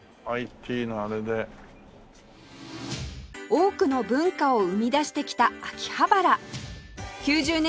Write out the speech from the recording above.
多くの文化を生み出してきた秋葉原